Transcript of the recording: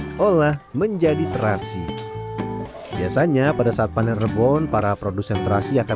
diolah menjadi terasi biasanya pada saat panen rebon para produsen terasi akan